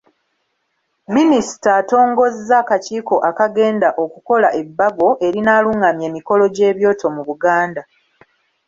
Minisita atongozza akakiiko akagenda okukola ebbago erinaalung’amya emikolo gy’ebyoto mu Buganda.